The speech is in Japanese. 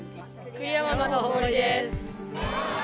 栗山の誇りです。